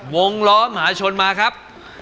ล้อมหาชนมาครับ